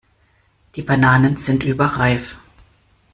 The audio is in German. Die Bananen sind überreif.